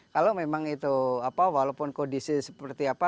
kalau memang itu walaupun kondisi seperti apa